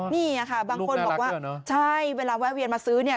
นี่ค่ะบางคนบอกว่าใช่เวลาแวะเวียนมาซื้อเนี่ย